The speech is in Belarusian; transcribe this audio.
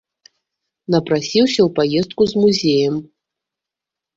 Напрасіўся ў паездку з музеем.